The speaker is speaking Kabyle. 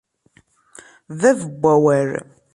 Bab n wawal